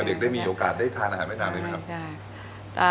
เด็กได้มีโอกาสได้ทานอาหารเวียดนามนี้ไหมครับ